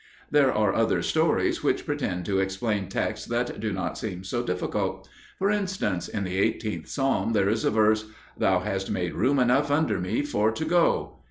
There are other stories which pretend to explain texts that do not seem so difficult. For instance, in the 18th Psalm there is a verse, "Thou hast made room enough under me for to go."